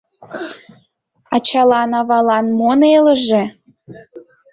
Ачалан-авалан мо нелыже?